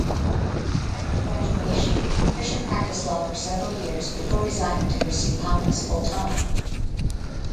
After graduation, Fisher practiced law for several years before resigning to pursue comics full-time.